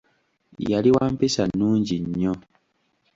Yali wa mpisa nnungi nnyo.